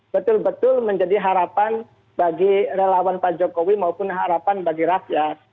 betul betul menjadi harapan bagi relawan pak jokowi maupun harapan bagi rakyat